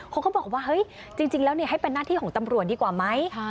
เขาก็บอกว่าเฮ้ยจริงแล้วให้เป็นหน้าที่ของตำรวจดีกว่าไหม